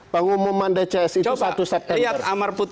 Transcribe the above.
pengumuman dcs itu satu september